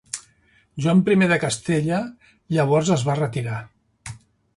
Joan I de Castella llavors es va retirar.